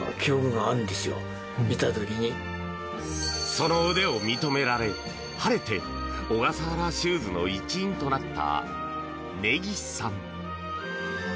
その腕を認められ晴れて小笠原シューズの一員となった根岸さん。